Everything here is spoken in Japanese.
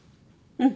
うん。